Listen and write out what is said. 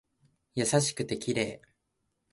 優しくて綺麗